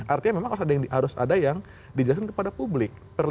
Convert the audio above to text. artinya memang harus ada yang dijelaskan kepada publik